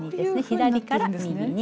左から右に。